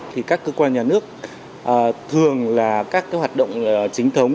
thì các cơ quan nhà nước thường là các cái hoạt động chính thống